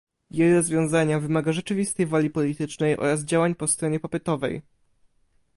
Jej rozwiązanie wymaga rzeczywistej woli politycznej oraz działań po stronie popytowej